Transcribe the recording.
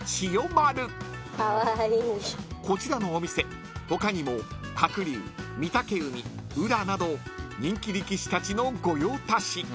［こちらのお店他にも鶴竜御嶽海宇良など人気力士たちの御用達］